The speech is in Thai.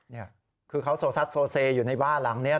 นี่คือเขาโซซัดโซเซอยู่ในบ้านหลังนี้